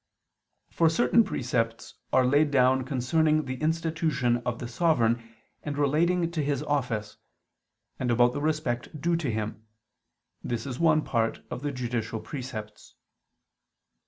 For certain precepts are laid down concerning the institution of the sovereign and relating to his office, and about the respect due to him: this is one part of the judicial precepts.